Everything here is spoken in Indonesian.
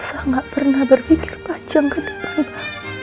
elsa gak pernah berpikir panjang ke depan mama